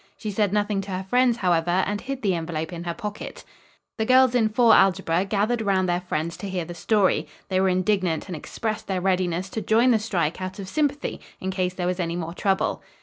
She said nothing to her friends, however, and hid the envelope in her pocket. The girls in IV. algebra gathered around their friends to hear the story. They were indignant and expressed their readiness to join the strike out of sympathy in case there was any more trouble.